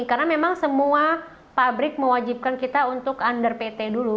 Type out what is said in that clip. karena memang semua pabrik mewajibkan kita untuk under pt dulu